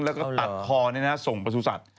แล้วก็ตัดคอนี้นะส่งไปสู่สัตว์